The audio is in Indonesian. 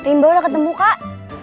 rimbau udah ketemu kak